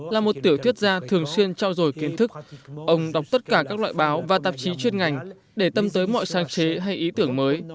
là một tiểu thuyết gia thường xuyên trao dồi kiến thức ông đọc tất cả các loại báo và tạp chí chuyên ngành để tâm tới mọi sáng chế hay ý tưởng mới